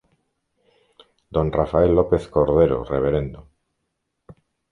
D. Rafael López Cordero, Rvdo.